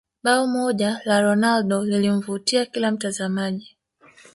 bao moja la ronaldo lilimvutia kila mtazamaji